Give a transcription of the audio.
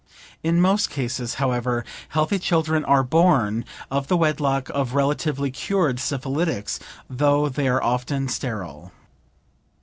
In most cases, however, healthy children are born of the wedlock of relatively cured syphilitics, though they are often sterile.